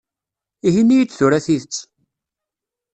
Ihi ini-yi-d tura tidet!